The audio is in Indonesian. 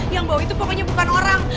yang bawa itu pokoknya bukan orang